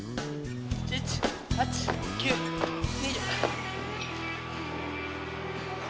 ７８９２０！